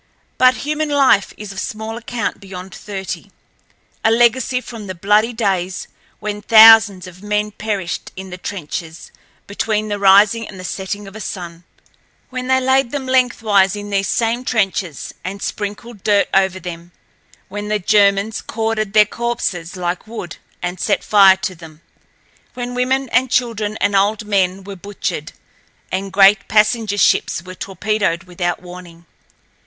But human life is of small account beyond thirty—a legacy from the bloody days when thousands of men perished in the trenches between the rising and the setting of a sun, when they laid them lengthwise in these same trenches and sprinkled dirt over them, when the Germans corded their corpses like wood and set fire to them, when women and children and old men were butchered, and great passenger ships were torpedoed without warning.